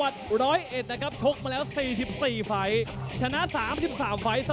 ร้องคู่เอกของเราแสนพลลูกบ้านใหญ่เทคซอลเพชรสร้างบ้านใหญ่